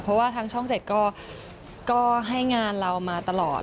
เพราะว่าทางช่อง๗ก็ให้งานเรามาตลอด